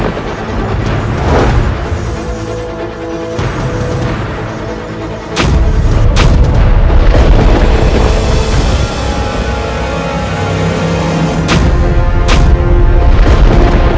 anakannya sudah tidak cukup numaes